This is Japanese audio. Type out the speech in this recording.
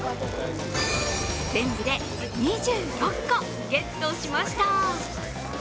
全部で２６個ゲットしました。